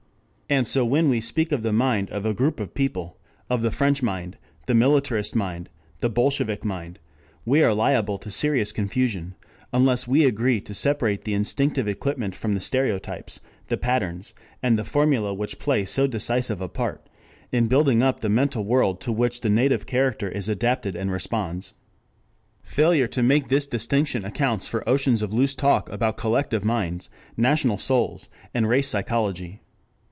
5 And so when we speak of the mind of a group of people, of the French mind, the militarist mind, the bolshevik mind, we are liable to serious confusion unless we agree to separate the instinctive equipment from the stereotypes, the patterns, and the formulae which play so decisive a part in building up the mental world to which the native character is adapted and responds. Failure to make this distinction accounts for oceans of loose talk about collective minds, national souls, and race psychology.